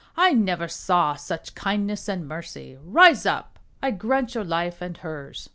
I never saw such kind ness and mercy. Rise up. I grant your life and hers.